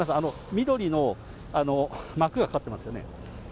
緑の幕がかかってますよね。